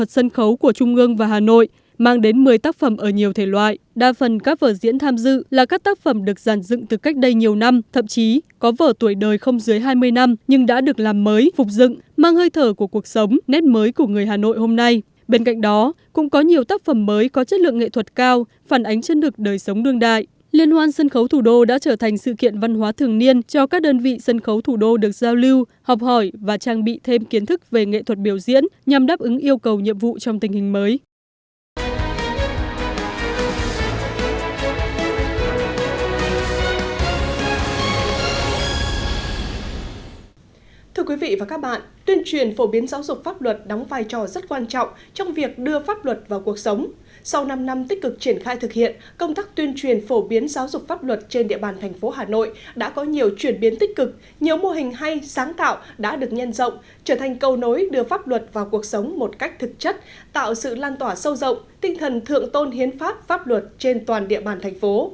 sau năm năm tích cực triển khai thực hiện công tác tuyên truyền phổ biến giáo dục pháp luật trên địa bàn thành phố hà nội đã có nhiều chuyển biến tích cực nhiều mô hình hay sáng tạo đã được nhân rộng trở thành câu nối đưa pháp luật vào cuộc sống một cách thực chất tạo sự lan tỏa sâu rộng tinh thần thượng tôn hiến pháp pháp luật trên toàn địa bàn thành phố